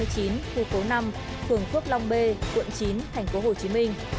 thủy cố năm phường phước long b quận chín tp hcm